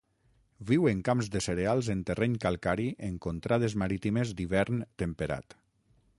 Viu en camps de cereals en terreny calcari en contrades marítimes d'hivern temperat.